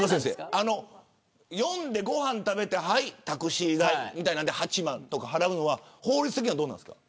呼んでご飯食べてはい、タクシー代みたいなので８万とか払うのは法律的にはどうなんですか。